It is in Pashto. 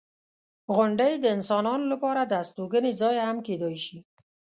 • غونډۍ د انسانانو لپاره د استوګنې ځای هم کیدای شي.